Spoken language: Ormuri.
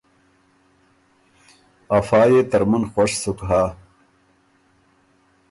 افا يې ترمُن خوش سُک هۀ